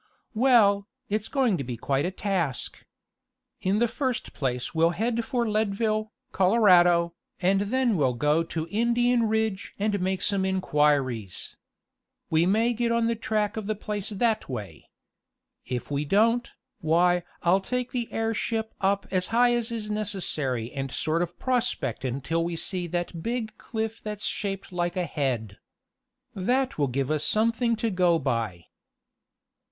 "Well, it's going to be quite a task. In the first place we'll head for Leadville, Colorado, and then we'll go to Indian Ridge and make some inquiries. We may get on the track of the place that way. If we don't, why I'll take the airship up as high as is necessary and sort of prospect until we see that big cliff that's shaped like a head. That will give us something to go by."